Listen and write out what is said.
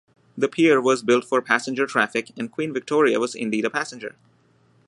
The pier was built for passenger traffic and Queen Victoria was indeed a passenger.